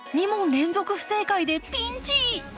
２問連続不正解でピンチ！